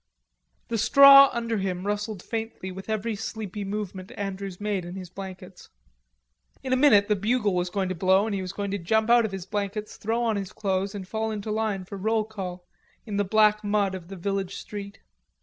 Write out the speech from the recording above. The straw under him rustled faintly with every sleepy movement Andrews made in his blankets. In a minute the bugle was going to blow and he was going to jump out of his blankets, throw on his clothes and fall into line for roll call in the black mud of the village street.